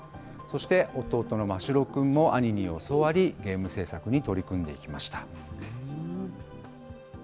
そして、弟のマシロ君も兄に教わり、ゲーム制作に取り組んでいきました。